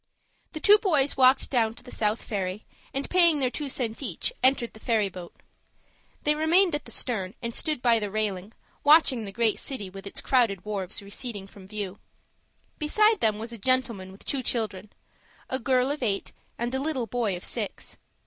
The two boys walked down to the South Ferry, and, paying their two cents each, entered the ferry boat. They remained at the stern, and stood by the railing, watching the great city, with its crowded wharves, receding from view. Beside them was a gentleman with two children,—a girl of eight and a little boy of six.